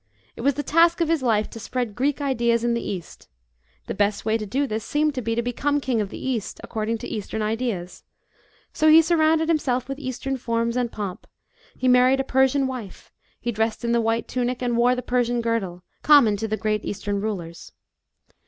It was the task of his life to spread Greek ideas in the East : the best way to do this seemed to be, to become king of the East, according to Eastern ideas. So he surrounded himself with Eastern forms and pomp ; he married a Persian wife ; he dressed in the white tunic, and wore the Persian girdle, common to the great Eastern rulers.